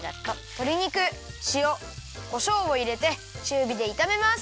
とり肉しおこしょうをいれてちゅうびでいためます。